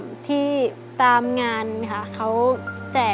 ทั้งในเรื่องของการทำงานเคยทำนานแล้วเกิดปัญหาน้อย